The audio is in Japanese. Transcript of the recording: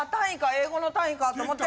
英語の単位か」と思って。